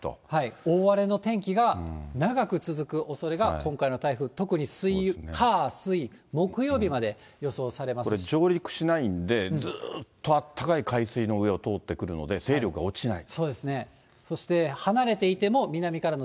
大荒れの天気が長く続くおそれが、今回の台風、特に火、これ、上陸しないんで、ずっとあったかい海水の上を通ってくるので、勢力が落ちない。